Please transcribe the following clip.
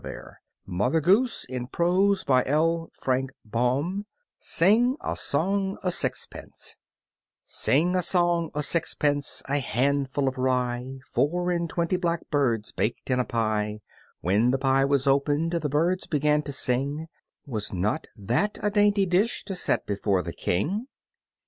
[Illustration: Sing a Song o' Sixpence] Sing a Song o' Sixpence Sing a song o' sixpence, a handful of rye, Four and twenty blackbirds baked in a pie; When the pie was opened the birds began to sing, Wasn't that a dainty dish to set before the King?